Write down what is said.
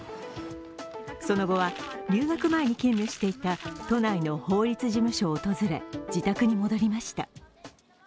その後は、留学前に勤務していた都内の法律事務所を訪れ、自宅に戻りました。